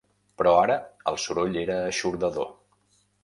Però ara el soroll era eixordador